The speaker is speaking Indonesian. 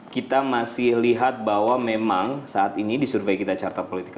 kita masih lihat bahwa memang saat ini di survei kita carta politika